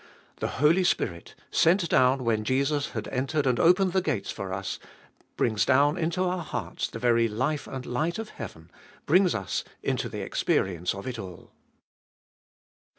The Holy Spirit, sent down when Jesus had entered and opened the gates for us, brings down into our hearts the very life and light of heaven, brings us into the experience of it all.